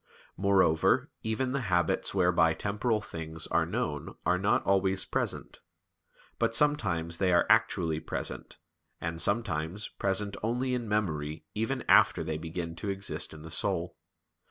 Moreover even the habits whereby temporal things are known are not always present; but sometimes they are actually present, and sometimes present only in memory even after they begin to exist in the soul.